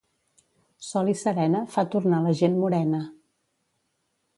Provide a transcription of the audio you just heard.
Sol i serena fa tornar la gent morena.